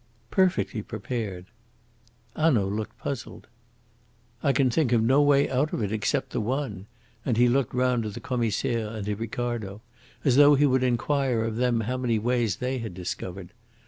"Perfectly prepared." Hanaud looked puzzled. "I can think of no way out of it except the one," and he looked round to the Commissaire and to Ricardo as though he would inquire of them how many ways they had discovered.